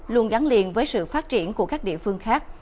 luôn gắn liền với sự phát triển của các địa phương khác